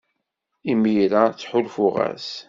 Imir-a, ttḥulfuɣ-as.